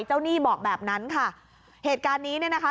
หนี้บอกแบบนั้นค่ะเหตุการณ์นี้เนี่ยนะคะ